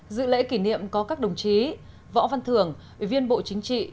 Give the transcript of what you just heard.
dự lễ kỷ niệm có các đồng chí võ văn thưởng ủy viên bộ chính trị